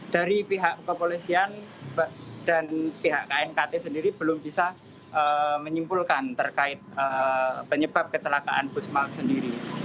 dari pihak kepolisian dan pihak knkt sendiri belum bisa menyimpulkan terkait penyebab kecelakaan bus maut sendiri